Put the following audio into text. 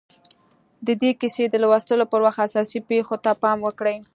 د دې کيسې د لوستلو پر وخت اساسي پېښو ته پام وکړئ.